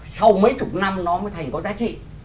sau mấy chục năm nó mới thành có giá trị